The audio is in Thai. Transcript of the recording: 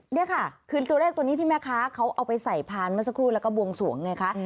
นี่ค่ะคือตัวเลขตัวนี้ที่แม่ค้าเขาเอาไปใส่พานเมื่อสักครู่แล้วก็บวงสวงไงคะ